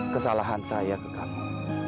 kesalahan saya ke kamu